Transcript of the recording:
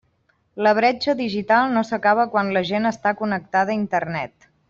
La bretxa digital no s'acaba quan la gent està connectada a Internet.